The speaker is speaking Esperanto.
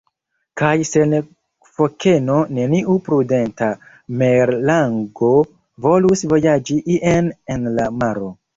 Kaj sen fokeno neniu prudenta merlango volus vojaĝi ien en la maro.